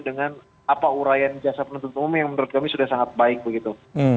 dengan apa urayan jasa penuntut umum yang menurut kami sudah sangat baik begitu